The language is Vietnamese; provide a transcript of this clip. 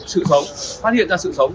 sự sống phát hiện ra sự sống